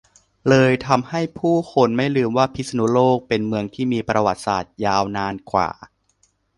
เลยทำให้ผู้คนไม่ลืมว่าพิษณุโลกเป็นเมืองที่มีประวัติศาสตร์ยาวนานกว่า